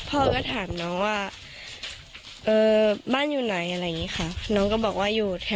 พ่อก็ถามน้องว่า